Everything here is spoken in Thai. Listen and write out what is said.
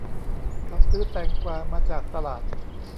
เขาซื้อแตงกวามาจากตลาด